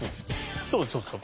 そうですそうそう。